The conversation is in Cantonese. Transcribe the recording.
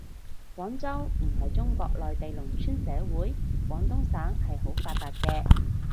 廣州唔係中國內地農村社會，廣東省係好發達嘅